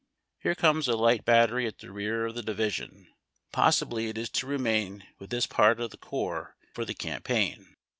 Here comes a light battery at the rear of the division. Possibly it is to remain with this part of the corps for the campaign.